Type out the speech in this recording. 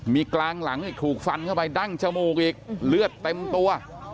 มีกลางหลังอีกถูกฟันเข้าไปดั้งจมูกอีกเลือดเต็มตัว